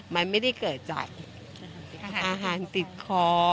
มันไม่ได้เกิดจากอาหารติดคอ